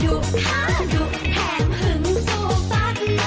ดุข้าดุแหบหึงสู่ปั๊ด